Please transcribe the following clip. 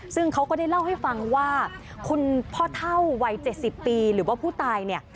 ซึ่งเขาก็ได้เล่าให้ฟังว่าคุณพ่อเท่าวัย๗๐ปีหรือว่าผู้ตายเนี่ย